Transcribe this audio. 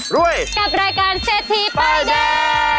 รวยกับรายการเศรษฐีป้ายแดง